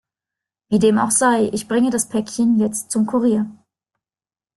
Wie dem auch sei, ich bringe das Päckchen jetzt zum Kurier.